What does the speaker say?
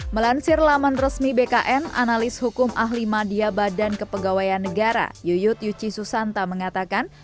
melansir laman resmi bkn analis hukum ahli madiabadan kepegawaian negara yuyut yuchi susanta mengatakan